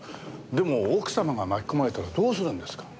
でも奥様が巻き込まれたらどうするんですか？